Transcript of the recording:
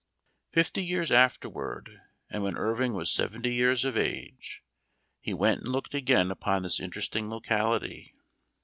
Fifty years afterward, and when Irving was seventy years of age, he went and looked again upon this interesting locality.